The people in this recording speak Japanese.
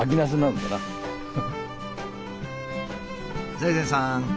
財前さん